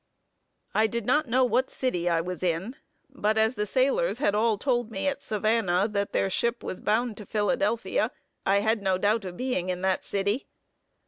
I did not know what city I was in; but as the sailors had all told me, at Savannah, that their ship was bound to Philadelphia, I had no doubt of being in that city.